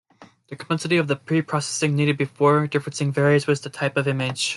The complexity of the pre-processing needed before differencing varies with the type of image.